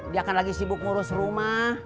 dia akan lagi sibuk ngurus rumah